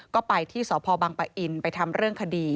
ก็ไปที่สพบังปะอินไปทำเรื่องคดี